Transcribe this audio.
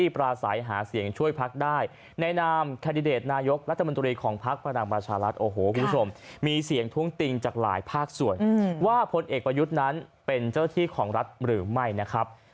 เป็นเจ้าที่ของรัฐหรือไม่นะครับ